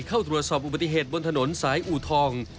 เข้าตรวจสอบอุบัติเหตุบนถนนสายอูทอง